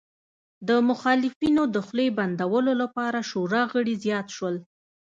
د مخالفینو د خولې بندولو لپاره شورا غړي زیات شول